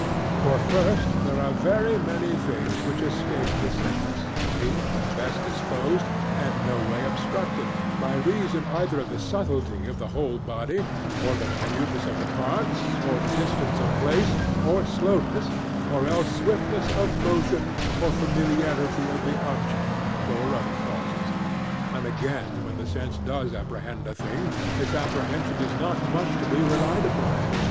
For first, there are very many things which escape the sense, even when best disposed and no way obstructed; by reason either of the subtlety of the whole body, or the minuteness of the parts, or distance of place, or slowness or else swiftness of motion, or familiarity of the object, or other causes. And again when the sense does apprehend a thing its apprehension is not much to be relied upon.